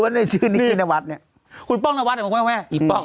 นิกกี้นวัสต์นี่คุณป้องนวัสต์ไหม